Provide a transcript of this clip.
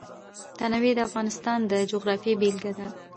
تنوع د افغانستان د جغرافیې بېلګه ده.